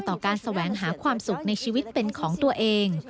ต่อการแสวงหาความสุขในชีวิตเป็นของตัวเอง